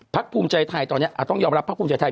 ภักษ์ภูมิใจไทยตอนเนี่ยต้องยอมยอมรับภักษ์ภูมิใจไทย